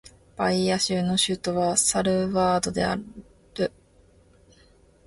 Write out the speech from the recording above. バイーア州の州都はサルヴァドールである